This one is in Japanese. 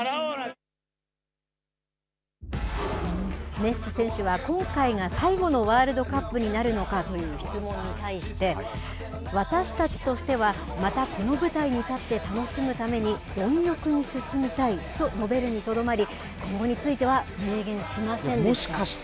メッシ選手は今回が最後のワールドカップになるのかという質問に対して、私たちとしてはまたこの舞台に立って楽しむために、貪欲に進みたいと述べるにとどまり、今後については明言しませんでした。